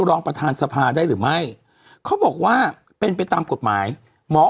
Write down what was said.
รองประธานสภาได้หรือไม่เขาบอกว่าเป็นไปตามกฎหมายหมอ